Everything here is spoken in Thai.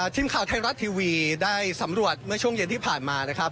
ทีมข่าวไทยรัฐทีวีได้สำรวจเมื่อช่วงเย็นที่ผ่านมานะครับ